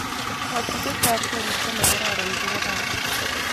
kachutet ab koristo ne kararan ko kararan